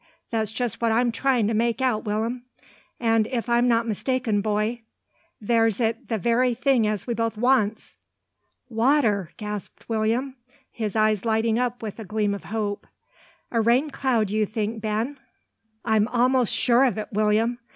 That's just what I'm tryin' to make out, Will'm; an' if I'm not mistaken, boy, there's it 't the very thing as we both wants." "Water!" gasped William, his eyes lighting up with gleam of hope. "A rain cloud you think, Ben?" "I'm a'most sure o't, Will'm.